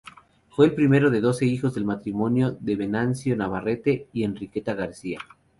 Fue el primero de doce hijos del matrimonio de Venancio Navarrete y Enriqueta García.